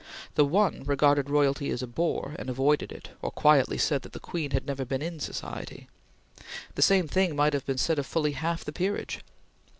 The one regarded royalty as a bore, and avoided it, or quietly said that the Queen had never been in society. The same thing might have been said of fully half the peerage.